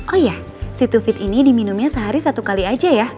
oh iya city to fit ini diminumnya sehari satu kali aja ya